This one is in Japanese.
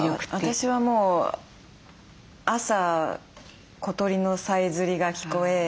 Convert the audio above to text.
私はもう朝小鳥のさえずりが聞こえ